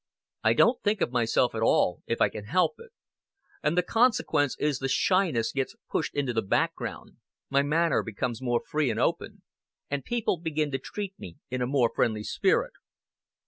I don't think of myself at all, if I can help it; and the consequence is the shyness gets pushed into the background, my manner becomes more free and open, and people begin to treat me in a more friendly spirit."